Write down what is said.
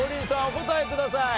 お答えください。